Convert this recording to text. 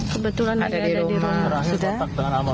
kebetulan ada di rumah